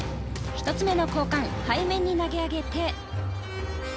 １つ目の交換背面に投げ上げて。